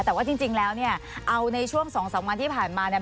แต่ว่าจริงแล้วเนี่ยเอาในช่วง๒๓วันที่ผ่านมาเนี่ย